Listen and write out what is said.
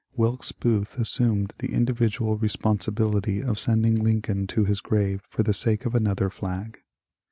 Wilkes Booth assumed the individual responsibility of sending Lincoln to his grave for the sake of another flag.